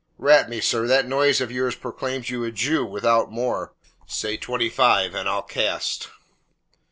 "Rat me, sir, that nose of yours proclaims you a jew, without more. Say twenty five, and I'll cast."